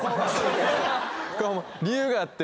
理由があって。